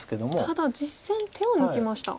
ただ実戦手を抜きました。